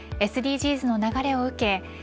ＳＤＧｓの流れを受け